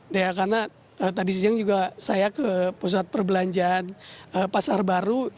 di area karena tadi sijang juga saya ke pusat perbelanjaan pasar baru